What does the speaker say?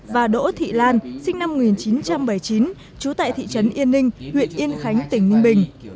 và đỗ thị lan sinh năm một nghìn chín trăm bảy mươi chín trú tại thị trấn yên ninh huyện yên khánh tỉnh ninh bình